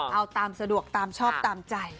เอาตามสะดวกตามชอบตามใจ